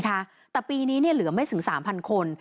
แต่ปีนี้เหลือไม่ถึง๓๐๐คน